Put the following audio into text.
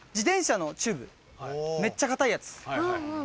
めっちゃ硬いやつ。